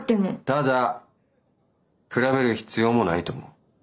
ただ比べる必要もないと思う。